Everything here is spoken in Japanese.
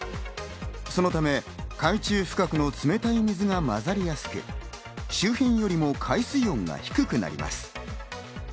そのため、海中深くの冷たい水が混ざりやすく、周辺よりも海水温が低くなります。